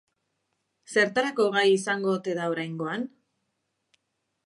Zertarako gai izango ote da oraingoan?